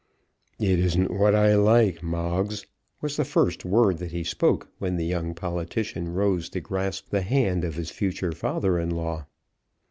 "It isn't what I like, Moggs," was the first word that he spoke when the young politician rose to grasp the hand of his future father in law.